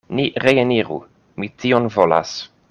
Ni reeniru; mi tion volas.